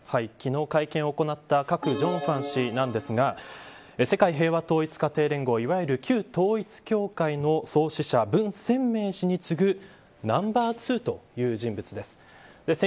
昨日会見を行ったカク・ジョンファン氏なんですが世界平和統一家庭連合いわゆる、旧統一教会の創始者、文鮮明氏に次ぐナンバー２という人物です。